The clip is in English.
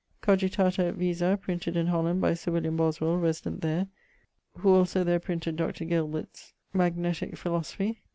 Cogitata et Visa: printed in Holland by Sir William Boswell, Resident there: who also there printed Dr. Gilbert's Magnetique Philosophie.